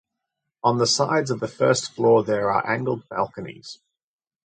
On the sides of the first floor there are angled balconies.